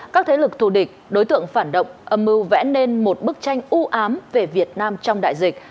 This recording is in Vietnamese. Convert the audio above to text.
các thế lực thù địch đối tượng phản động âm mưu vẽ nên một bức tranh ưu ám về việt nam trong đại dịch